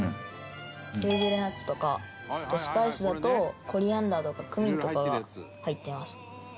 ヘーゼルナッツとかあとスパイスだとコリアンダーとかクミンとかが入ってます。